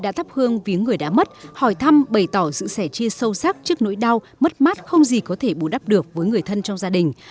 đã thắp hương viếng người đã mất hỏi thăm bày tỏ sự sẻ chia sâu sắc trước nỗi đau mất mát không gì có thể bù đắp được với người thân trong gia đình